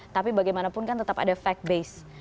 tapi bagaimanapun kan tetap ada fact base